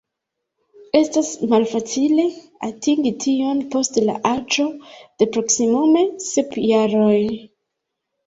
Estas malfacile atingi tion post la aĝo de proksimume sep jaroj.